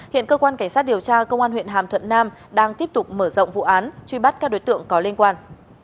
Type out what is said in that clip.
hiện cơ quan cảnh sát điều tra công an huyện hàm thuận nam đang tiếp tục mở rộng vụ án truy bắt các đối tượng có liên quan